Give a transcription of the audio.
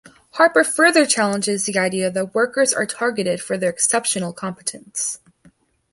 Harper further challenges the idea that workers are targeted for their exceptional competence.